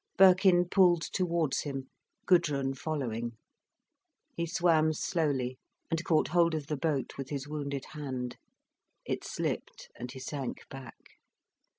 Birkin pulled towards him, Gudrun following. He swam slowly, and caught hold of the boat with his wounded hand. It slipped, and he sank back.